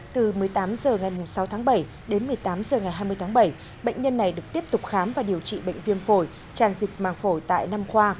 từ một mươi tám h ngày sáu tháng bảy đến một mươi tám h ngày hai mươi tháng bảy bệnh nhân này được tiếp tục khám và điều trị bệnh viêm phổi tràn dịch màng phổi tại năm khoa